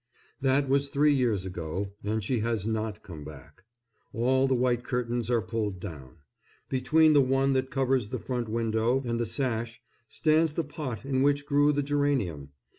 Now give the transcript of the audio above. That was three years ago, and she has not come back. All the white curtains are pulled down. Between the one that covers the front window and the sash stands the pot in which grew the geranium.